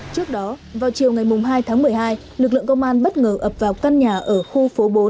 trước đó vào chiều ngày hai tháng một mươi hai lực lượng công an bất ngờ ập vào căn nhà ở khu phố bốn